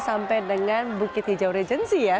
sampai dengan bukit hijau regency ya